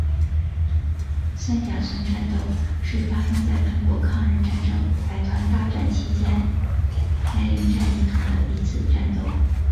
三甲村战斗是发生在中国抗日战争百团大战期间涞灵战役中的一次战斗。